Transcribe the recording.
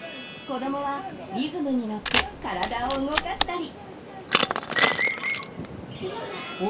子どもはリズムにのって体を動かしたり。